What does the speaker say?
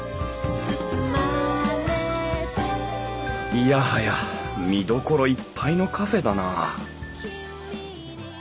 いやはや見どころいっぱいのカフェだなあ